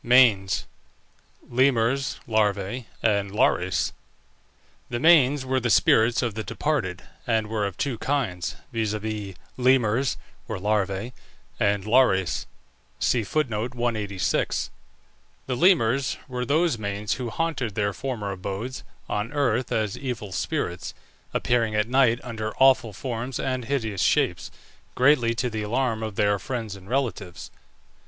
MANES. LEMURES (LARVÆ) AND LARES. The Manes were the spirits of the departed, and were of two kinds, viz., Lemures (or Larvæ) and Lares. The Lemures were those Manes who haunted their former abodes on earth as evil spirits, appearing at night under awful forms and hideous shapes, greatly to the alarm of their friends and relatives.